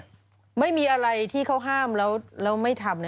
ไม่มีอะไรที่เขาห้ามแล้วไม่ทำ